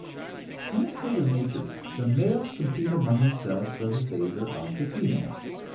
In a state of nature the males compete among themselves for the favor of the female.